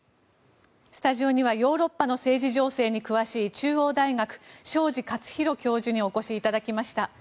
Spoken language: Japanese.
スタジオにはヨーロッパの政治情勢に詳しい中央大学、庄司克宏教授にお越しいただきました。